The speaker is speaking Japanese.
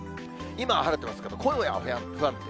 今は晴れてますけど、今夜は不安定。